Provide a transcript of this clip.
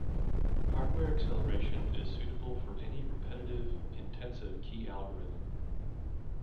Hardware acceleration is suitable for any repetitive, intensive key algorithm.